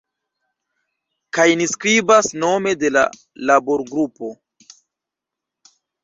Kaj ni skribas nome de la laborgrupo.